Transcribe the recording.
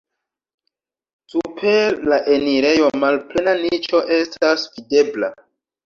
Super la enirejo malplena niĉo estas videbla.